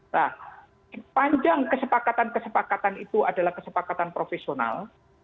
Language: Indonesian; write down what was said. nah sepanjang kesepakatan kesepakatan itu adalah kesepakatan profesional